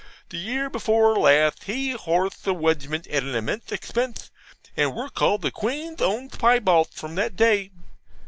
The year befaw latht he horthed the wegiment at an immenthe expenthe, and we're called the Queen'th Own Pyebalds from that day.